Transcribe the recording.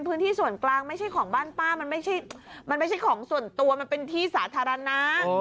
พื้นที่ส่วนกลางไม่ใช่ของบ้านป้ามันไม่ใช่มันไม่ใช่ของส่วนตัวมันเป็นที่สาธารณะ